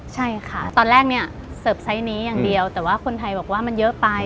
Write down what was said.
ใช่ค่ะตอนแรกเนี่ยเสิร์ฟไซส์นี้อย่างเดียวแต่ว่าคนไทยบอกว่ามันเยอะไป